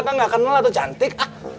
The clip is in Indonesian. kan gak kenal atuh cantik